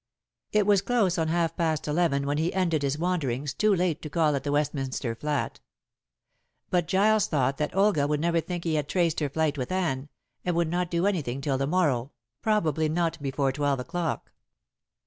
It was close on half past eleven when he ended his wanderings, too late to call at the Westminster flat. But Giles thought that Olga would never think he had traced her flight with Anne, and would not do anything till the morrow, probably not before twelve o'clock.